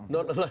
bukan ada lain